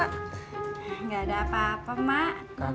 tidak ada apa apa mak